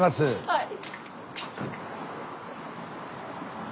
はい。